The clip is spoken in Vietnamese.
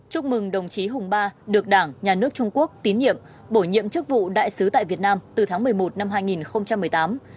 chúc mừng đồng chí hùng ba được đảng nhà nước trung quốc tín nhiệm bổ nhiệm chức vụ đại sứ tại việt nam từ tháng một mươi một năm hai nghìn một mươi tám